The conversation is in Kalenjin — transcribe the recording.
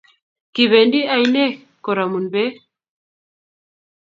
Kipendi ainek karamun peek